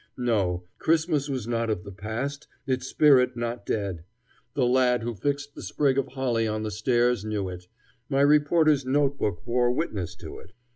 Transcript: No! Christmas was not of the past, its spirit not dead. The lad who fixed the sprig of holly on the stairs knew it; my reporter's note book bore witness to it.